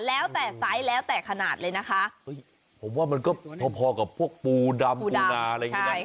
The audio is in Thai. แล้วแต่ไซส์แล้วแต่ขนาดเลยนะคะเฮ้ยผมว่ามันก็พอพอกับพวกปูดำปูนาอะไรอย่างเงี้นะ